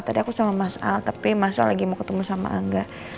tadi aku sama mas al tapi masa lagi mau ketemu sama angga